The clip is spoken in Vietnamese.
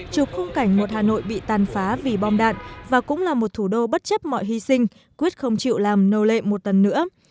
chụp khung cảnh một hà nội bị tàn phá vì bom đạn và cũng là một thủ đô bất chấp mọi hy sinh quyết không chịu làm nô lệ một lần nữa